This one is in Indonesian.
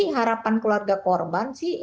harapan keluarga korban